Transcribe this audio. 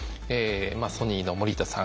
ソニーの盛田さん